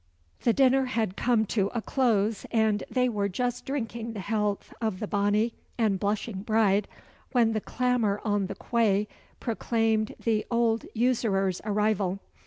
The dinner had come to a close, and they were just drinking the health of the bonny and blushing bride, when the clamour on the quay proclaimed the old usurer's arrival.